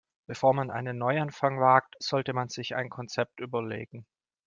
Bevor man einen Neuanfang wagt, sollte man sich ein Konzept überlegen.